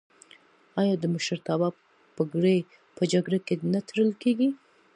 آیا د مشرتابه پګړۍ په جرګه کې نه تړل کیږي؟